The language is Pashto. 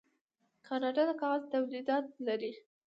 کاناډا د کاغذ تولیدات لري.